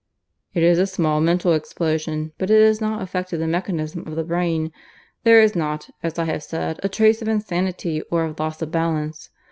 "It is a small mental explosion, but it has not affected the mechanism of the brain. There is not, as I have said, a trace of insanity or of loss of balance.